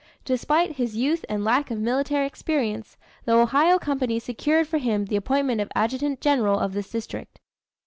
Despite his youth and lack of military experience, the Ohio Company secured for him the appointment of adjutant general of this district.